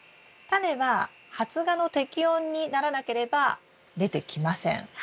タネは発芽の適温にならなければ出てきません。